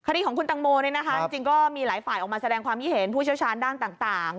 คดีของคุณตังโมจริงก็มีหลายฝ่ายออกมาแสดงความคิดเห็นผู้เชี่ยวชาญด้านต่าง